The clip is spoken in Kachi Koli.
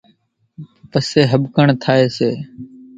پسيَ ۿٻڪڻ ٿائيَ سي۔